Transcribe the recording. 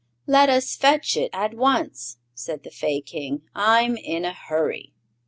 "Let us fetch it at once," said the Fay King; "I'm in a hurry."